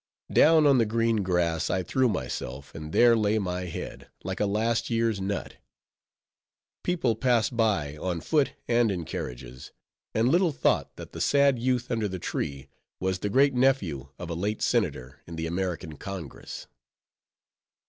Down on the green grass I threw myself and there lay my head, like a last year's nut. People passed by, on foot and in carriages, and little thought that the sad youth under the tree was the great nephew of a late senator in the American Congress.